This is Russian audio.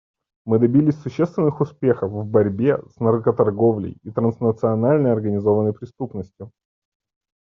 Мы добились существенных успехов в борьбе с наркоторговлей и транснациональной организованной преступностью.